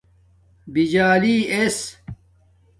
بِجالی ایس